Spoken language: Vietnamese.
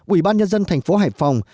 ủy ban nhân dân thành phố hải phòng